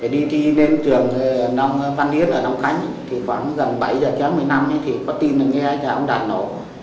đi thi lên trường văn yến ở nông khánh khoảng gần bảy giờ ba mươi phút thì có tin nghe ông đạt nổ